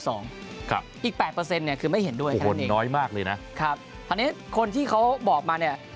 อีกแปดเปอร์เซ็นต์เนี่ยคือไม่เห็นด้วยครับน้อยมากเลยนะครับคราวนี้คนที่เขาบอกมาเนี่ย